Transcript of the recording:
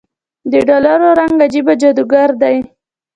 دډالرو رنګ عجيبه جادوګر دی